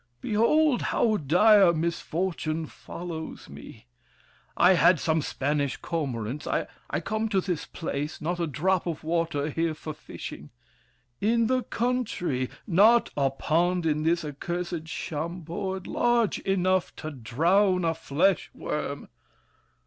Behold, how dire misfortune follows me! I had some Spanish cormorants. I come To this place—not a drop of water here For fishing! In the country! Not a pond In this accursed Chambord large enough To drown a flesh worm!